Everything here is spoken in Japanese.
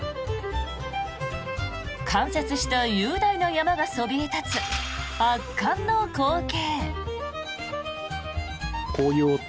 冠雪した雄大な山がそびえ立つ圧巻の光景。